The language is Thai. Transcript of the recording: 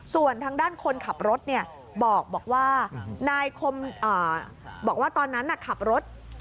ส่วนทางด้านคนขับรถบอกว่าตอนนั้นขับรถ